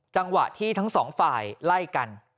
จังหวะที่ทั้งสองฝ่ายไล่กัน